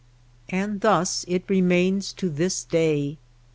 And thus it remains to this day.